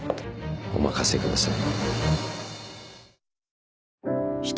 お任せください。